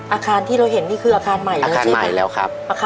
อาคารที่เราเห็นนี่คืออาคารใหม่แล้วใช่ไหม